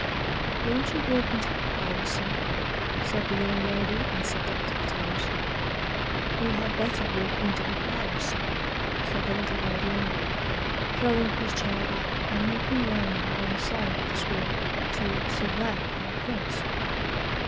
"Won't yon walk into the parlour, sir," said the young lady, in seductive tones. " You had better walk into the parlour, sir," said the little old land lord, throwing his chair back, and looking round one side of the screen, to survey our appearance.